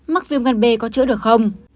mắc viêm gan b có chữa được không